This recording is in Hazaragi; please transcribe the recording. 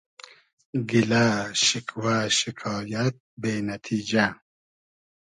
گیلۂ شیکوۂ شیکایئد بې نئتیجۂ